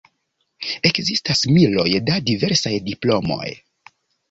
Ekzistas miloj da diversaj diplomoj.